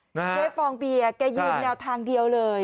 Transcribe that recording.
เฮฟฟองเบียแกยิงแนวทางเดียวเลย